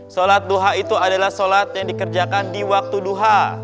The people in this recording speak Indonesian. sholat duha itu adalah sholat yang dikerjakan di waktu duha